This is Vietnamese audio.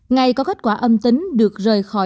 ngày có kết quả âm tính được rời khỏi